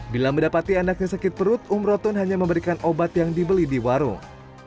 bila mendapati anaknya sakit perut umrotun hanya memberikan obat yang dibeli di warung